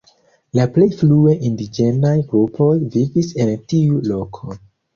La plej frue indiĝenaj grupoj vivis en tiu loko.